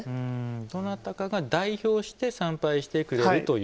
どなたかが代表して参拝してくれるという。